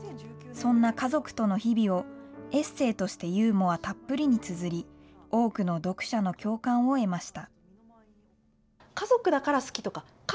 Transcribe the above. そんな家族との日々を、エッセーとしてユーモアたっぷりにつづり、多くの読者の共感を得ました。